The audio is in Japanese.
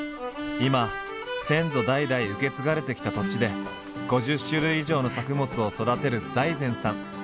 今先祖代々受け継がれてきた土地で５０種類以上の作物を育てる財前さん。